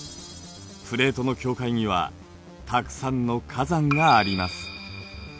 プレートの境界にはたくさんの火山があります。